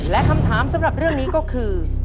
และคำถามสำหรับเรื่องนี้ก็คือ